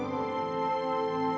kalah dari kamu